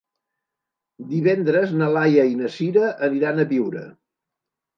Divendres na Laia i na Sira aniran a Biure.